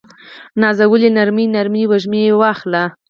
نازولې نرمې، نرمې وږمې واخله